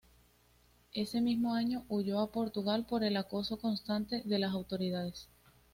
Ese mismo año huyó a Portugal por el acoso constante de las autoridades.